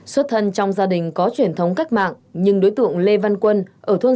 xuất thân trong gia đình có truyền thống cách mạng nhưng đối tượng lê văn quân ở thôn